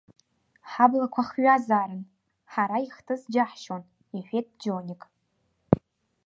Ҳаблақәа хҩазаарын, ҳара ихтыз џьаҳшьон, — иҳәеит џьоник.